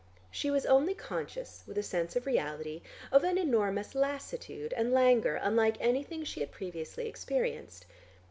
She was only conscious, with a sense of reality, of an enormous lassitude and languor unlike anything she had previously experienced.